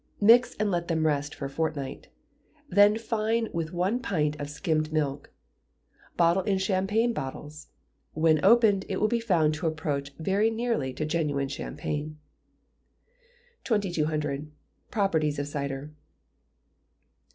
Mix and let them rest for a fortnight, then fine with one pint of skimmed milk. Bottle in champagne bottles: when opened, it will be found to approach very nearly to genuine champagne. 2200. Properties of Cider.